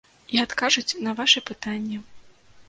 І адкажуць на вашы пытанні!